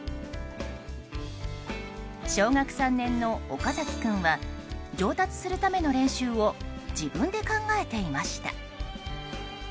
小学３年の岡崎君は上達するための練習を自分で考えていました。